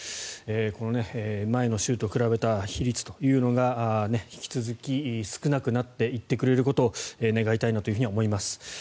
この、前の週と比べた比率というのが引き続き少なくなっていってくれることを願いたいなと思います。